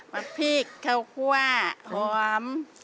มันพริกข้าวคว้าหอม